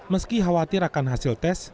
meski khawatir akan hasil tes